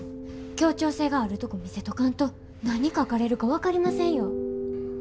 協調性があるとこ見せとかんと何書かれるか分かりませんよ。